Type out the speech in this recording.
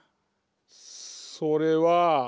それは。